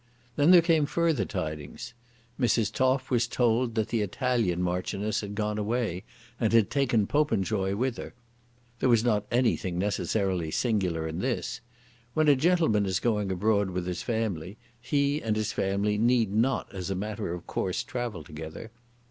Then there came further tidings. Mrs. Toff was told that the Italian Marchioness had gone away, and had taken Popenjoy with her. There was not anything necessarily singular in this. When a gentleman is going abroad with his family, he and his family need not as a matter of course travel together.